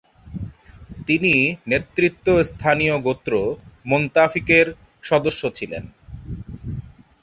তিনি নেতৃত্বাস্থানীয় গোত্র মুনতাফিকের সদস্য ছিলেন।